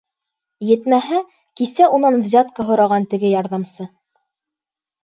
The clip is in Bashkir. Етмәһә, кисә унан взятка һораған теге ярҙамсыһы.